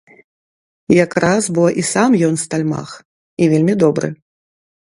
Якраз бо і сам ён стальмах, і вельмі добры.